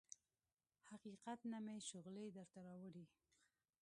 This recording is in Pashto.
حقیقت نه مې شغلې درته راوړي